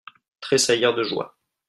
Trésaillir de joie.